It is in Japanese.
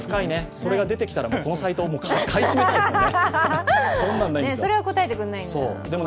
それが出てきたらこのサイトを買い占めたいね。